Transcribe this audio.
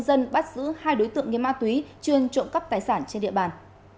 quần chú nhân dân bắt giữ hai đối tượng nghiêm ma túy trương trộm cắp tài sản trên địa bàn